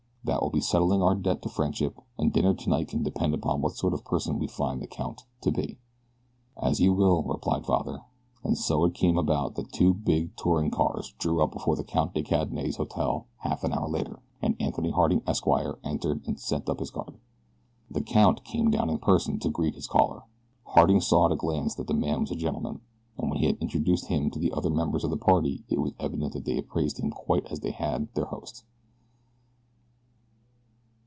That will be settling our debt to friendship, and dinner tonight can depend upon what sort of person we find the count to be." "As you will," replied her father, and so it came about that two big touring cars drew up before the Count de Cadenet's hotel half an hour later, and Anthony Harding, Esq., entered and sent up his card. The "count" came down in person to greet his caller. Harding saw at a glance that the man was a gentleman, and when he had introduced him to the other members of the party it was evident that they appraised him quite as had their host.